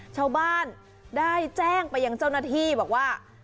ชาวบ้านได้แจ้งไปยังเจ้าหน้าที่บอกว่า